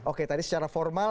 oke tadi secara formal